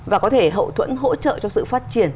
và có thể hậu thuẫn hỗ trợ cho sự phát triển